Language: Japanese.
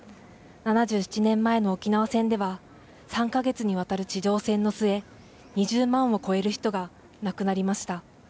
７７年前の沖縄戦では、３か月に渡る地上戦の末、２０万を超える人が亡くなりました。